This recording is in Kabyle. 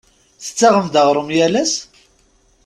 Tettaɣem-d aɣrum yal ass?